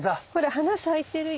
花咲いてるよ。